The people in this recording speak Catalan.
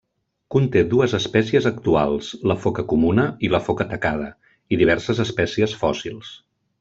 Conté dues espècies actuals, la foca comuna i la foca tacada, i diverses espècies fòssils.